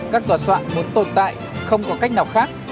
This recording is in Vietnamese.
các tòa soạn muốn tồn tại không có cách nào khác